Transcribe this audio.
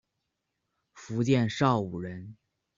福建邵武人。